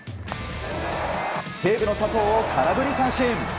西武の佐藤を空振り三振。